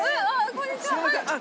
こんにちは！